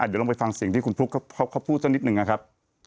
เดี๋ยวลองไปฟังเสียงที่คุณฟลุ๊กเขาพูดสักนิดหนึ่งนะครับ